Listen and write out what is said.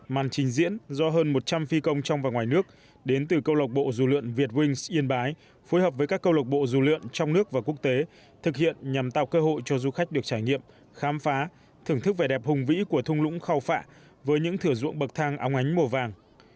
màn trình diễn do hơn một trăm linh phi công trong và ngoài nước đến từ câu lọc bộ rủ lượn việt wings yên bái phối hợp với các câu lộc bộ rủ lượn trong nước và quốc tế thực hiện nhằm tạo cơ hội cho du khách được trải nghiệm khám phá thưởng thức vẻ đẹp hùng vĩ của thung lũng khao phạ với những thửa ruộng bậc thang áo ngánh mùa vàng